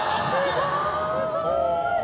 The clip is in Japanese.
すごい！